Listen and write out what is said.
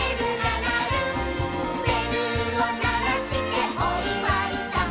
「べるをならしておいわいだ」